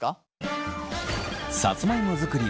さつまいも作り